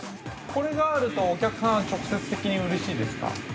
◆これがあると、お客さんは直接的にうれしいですか。